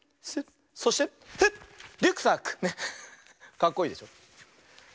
かっこいいでしょ。